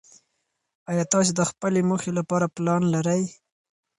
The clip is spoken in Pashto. ایا تاسو د خپلې موخې لپاره پلان لرئ؟